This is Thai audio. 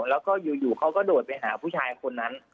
แล้วก็อยู่เขาก็โดดไปหาผู้ชายคนนั้น